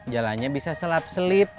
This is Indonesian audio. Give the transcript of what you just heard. jalannya bisa selap selip